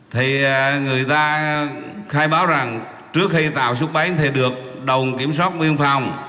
thì người ta khai báo rằng trước khi tàu súc bánh thì được đồng kiểm soát viên phòng